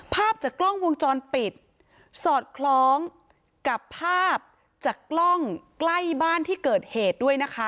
ภาพจากกล้องวงจรปิดสอดคล้องกับภาพจากกล้องใกล้บ้านที่เกิดเหตุด้วยนะคะ